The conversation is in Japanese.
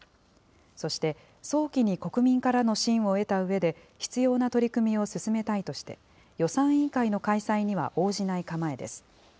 そして、早期に国民からの信を得たうえで、必要な取り組みを進めたいとして、予算委員会の開催には応じない構えです。